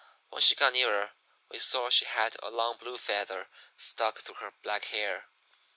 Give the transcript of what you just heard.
When she got nearer we saw she had a long blue feather stuck through her black hair.